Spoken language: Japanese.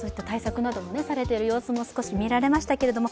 対策などもされている様子も少し見られました。